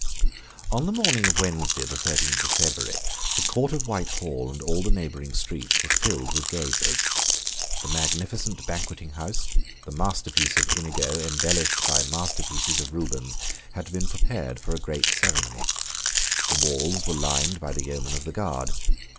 On the morning of Wednesday, the thirteenth of February, the court of Whitehall and all the neighbouring streets were filled with gazers. The magnificent Banqueting House, the masterpiece of Inigo, embellished by masterpieces of Rubens, had been prepared for a great ceremony. The walls were lined by the yeomen of the guard.